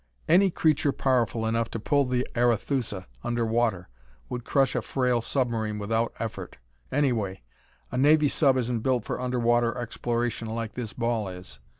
"Any creature powerful enough to pull the Arethusa under water would crush a frail submarine without effort. Anyway, a Navy sub isn't built for under water exploration like this ball is.